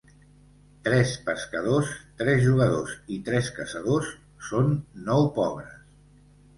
Tres pescadors, tres jugadors i tres caçadors són nou pobres.